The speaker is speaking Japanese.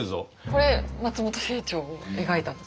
これ松本清張を描いたんですか？